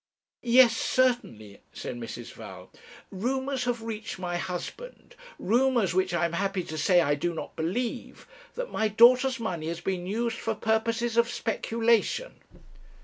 'Yes, certainly,' said Mrs. Val; 'rumours have reached my husband rumours which, I am happy to say, I do not believe that my daughter's money has been used for purposes of speculation.'